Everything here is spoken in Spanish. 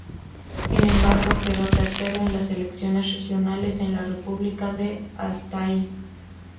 Sin embargo, quedó tercero en las elecciones regionales en la República de Altái.